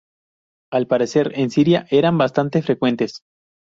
Al parecer, en Siria eran bastante frecuentes.